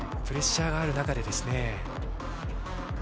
プレッシャーがある中で。